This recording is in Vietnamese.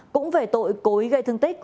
cũng về tội cố ý gây thương tích